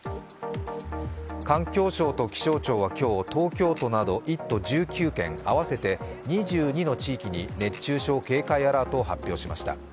環境省と気象庁は今日、東京都など１都１９県、合わせて２２の地域に熱中症警戒アラートを発表しました。